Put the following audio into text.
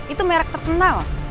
itu merek terkenal